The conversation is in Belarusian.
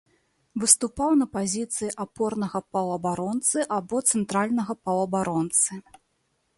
Выступаў на пазіцыі апорнага паўабаронцы або цэнтральнага паўабаронцы.